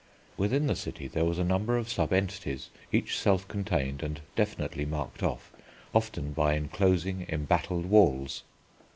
Within the city there was a number of sub entities, each self contained and definitely marked off, often by enclosing, embattled walls.